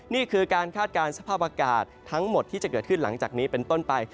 นี่คือการคาดการณ์สภาพอากาศทั้งหมดที่จะเกิดขึ้นหลังจากนี้เป็นต้นไป